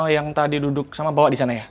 yang tadi duduk sama bawa disana ya